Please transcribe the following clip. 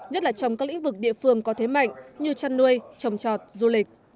nhất là trong các lĩnh vực địa phương có thế mạnh như chăn nuôi trồng trọt du lịch